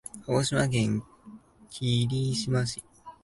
鹿児島県霧島市